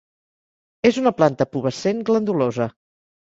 És una planta pubescent glandulosa.